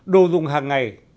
đồ dùng hàng ngày